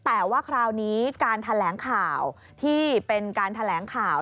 แต่ว่าคราวนี้การแถลงข่าวที่เป็นการแถลงข่าว